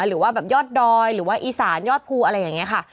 หรือว่าแบบยอดดอยหรือว่าอีสานยอดภูอะไรอย่างนี้ค่ะ